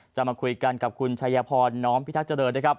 จะมาคุยกันกับคุณชัยพรน้องพิทักษ์เจริญ